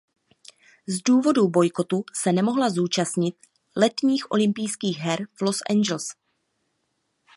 Z důvodu bojkotu se nemohla zúčastnit letních olympijských her v Los Angeles.